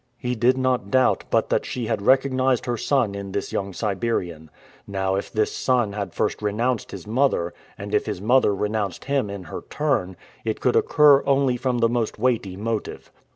He did not doubt but that she had recognized her son in this young Siberian. Now if this son had first renounced his mother, and if his mother renounced him in her turn, it could occur only from the most weighty motive.